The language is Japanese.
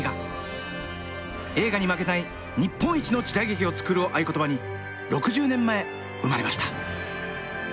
映画に負けない日本一の時代劇を作るを合言葉に６０年前生まれました。